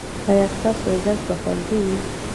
ایا ستاسو عزت به خوندي وي؟